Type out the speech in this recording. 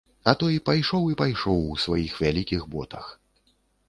А той пайшоў і пайшоў у сваіх вялікіх ботах.